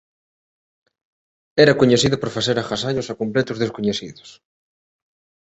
Era coñecida por facer agasallos a completos descoñecidos.